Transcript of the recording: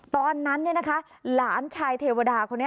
ตอนนั้นหลานชายเทวดาคนนี้